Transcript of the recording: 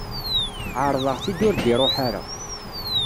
Ɛerḍeɣ-t-id, ur d-iruḥ ara.